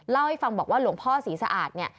เล่าให้ฟังบอกว่าหลวงพ่อศรีสะอาดเนี่ย